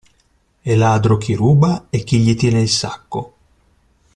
È ladro chi ruba e chi gli tiene il sacco.